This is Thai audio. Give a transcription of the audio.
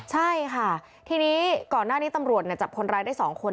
ใช่ค่ะทีนี้ก่อนหน้านี้ตำรวจจับคนร้ายได้๒คน